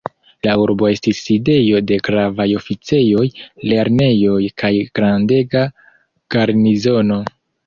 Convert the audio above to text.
La urbo estis sidejo de gravaj oficejoj, lernejoj kaj grandega garnizono.